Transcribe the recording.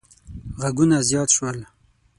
غږونه زیات شول.